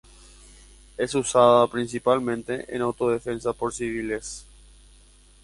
Es usada principalmente en autodefensa por civiles.